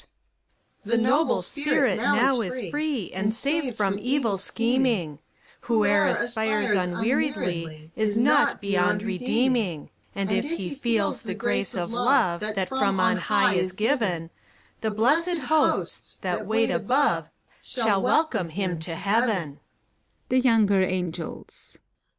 The noble Spirit now is free, \ And saved from evil scheming : I Whoe'er aspires unweariedly j^Is not beyond redeeming. And if he f eiels the grace of Love ACT V. 25a That from On High is given, The Blessed Hosts, that wait above, Shall welcome him to Heaven